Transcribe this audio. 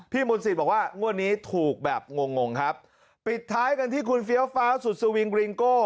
มนตรีบอกว่างวดนี้ถูกแบบงงงครับปิดท้ายกันที่คุณเฟี้ยวฟ้าสุดสวิงริงโก้